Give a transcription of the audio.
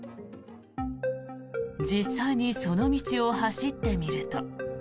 実際にその道を走ってみると。